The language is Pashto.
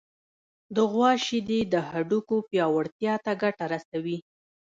د غوا شیدې د هډوکو پیاوړتیا ته ګټه رسوي.